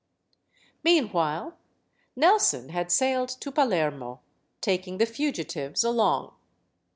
Meanwhile, Nelson had sailed to Palermo, taking the fugitives along.